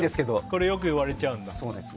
これ、よく言われちゃうんだ。